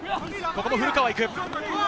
ここも古川が行く。